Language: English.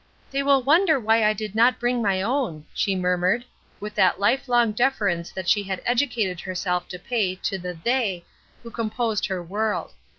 "They will wonder why I did not bring my own," she murmured, with that life long deference that she had educated herself to pay to the "they" who composed her world.